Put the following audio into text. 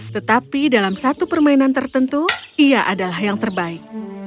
tetapi dalam satu permainan tertentu ia adalah yang terbaik